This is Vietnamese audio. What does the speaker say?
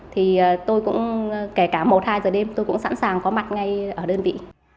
thì tôi cũng kể cả một hai giờ đêm tôi cũng sẵn sàng có mặt ngay ở đơn vị